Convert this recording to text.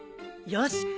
よし。